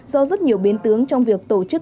do rất nhiều biến tướng trong việc tổ chức